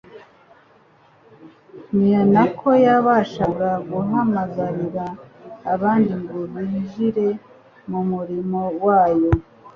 ni nako yabashaga guhamagarira abandi ngo binjire mu murimo wayo